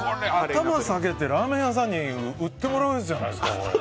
頭下げてラーメン屋さんに売ってもらうやつじゃないですか。